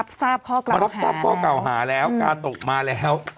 กาโตมาแล้วค่ะ